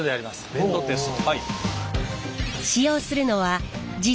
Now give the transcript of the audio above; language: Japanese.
ベンドテスト。